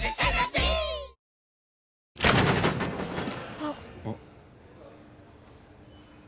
あっ。